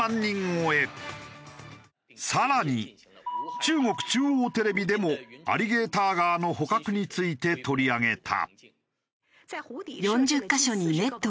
更に中国中央テレビでもアリゲーターガーの捕獲について取り上げた。